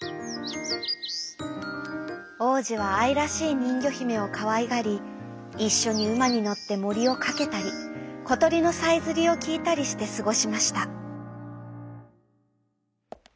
おうじはあいらしいにんぎょひめをかわいがりいっしょにうまにのってもりをかけたりことりのさえずりをきいたりしてすごしました。